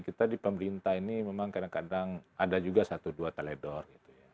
kita di pemerintah ini memang kadang kadang ada juga satu dua teledor